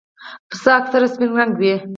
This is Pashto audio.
پسه اکثره سپین رنګه وي.